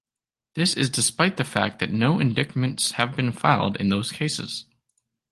This is despite the fact that no indictments have been filed in those cases.